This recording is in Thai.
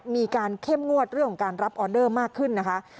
มีการเข้มงวดเรื่องของการรับออเดอร์มากขึ้นนะคะ